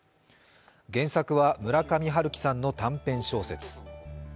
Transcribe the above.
原作は村上春樹さんの短編小説。